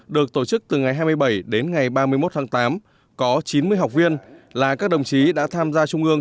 được tổ chức từ ngày hai mươi bảy đến ngày ba mươi một tháng tám có chín mươi học viên là các đồng chí đã tham gia trung ương